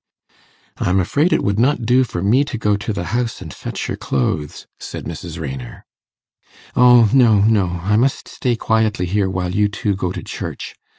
'I'm afraid it would not do for me to go to the house and fetch your clothes,' said Mrs. Raynor. 'O no, no! I must stay quietly here while you two go to church.